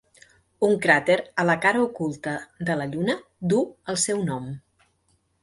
Un cràter a la cara oculta de la Lluna duu el seu nom.